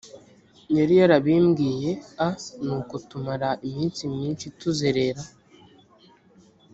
yari yarabimbwiye a nuko tumara iminsi myinshi tuzerera